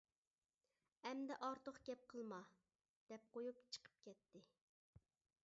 ئەمدى ئارتۇق گەپ قىلما، -دەپ قويۇپ چىقىپ كەتتى.